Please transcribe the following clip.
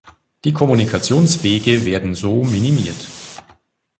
Die Kommunikationswege werden so minimiert.